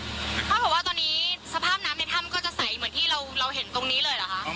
เท่ากับว่าตอนนี้สภาพน้ำในถ้ำก็จะใสเหมือนที่เราเห็นตรงนี้เลยเหรอคะ